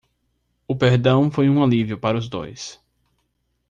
O perdão foi um alívio para os dois